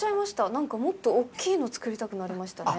なんか、もっと大きいの作りたくなりましたね。